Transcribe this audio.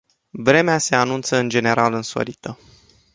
Vremea se anunță în general însorită.